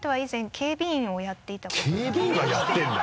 警備員はやってるんだ。